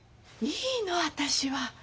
いいの私は。